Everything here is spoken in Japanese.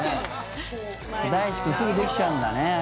大知君すぐできちゃうんだね。